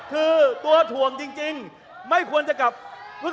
คุณจิลายุเขาบอกว่ามันควรทำงานร่วมกัน